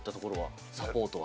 サポートは。